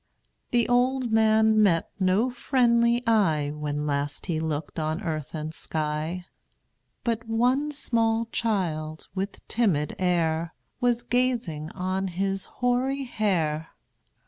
The old man met no friendly eye, When last he looked on earth and sky; But one small child, with timid air, Was gazing on his hoary hair.